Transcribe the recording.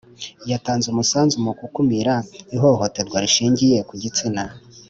yatanze umusanzu mu gukumira ihohoterwa rishingiye ku gitsina